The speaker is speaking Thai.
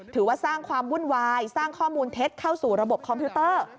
ถือว่าสร้างความวุ่นวายสร้างข้อมูลเท็จเข้าสู่ระบบคอมพิวเตอร์